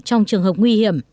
trong trường hợp nguy hiểm